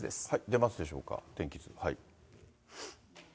出ますでしょうか、天気図。